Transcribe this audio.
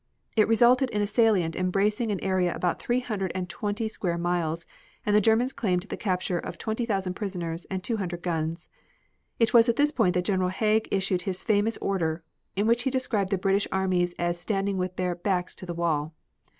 It resulted in a salient embracing an area about three hundred and twenty square miles, and the Germans claimed the capture of twenty thousand prisoners and two hundred guns. It was at this point that General Haig issued his famous order in which he described the British armies as standing with their "backs to the wall."